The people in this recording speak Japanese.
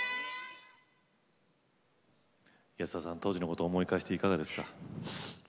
安田さん、当時のことを思い出していかがですか？